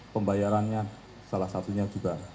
pembayarannya salah satunya juga